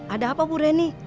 ada apa bu reni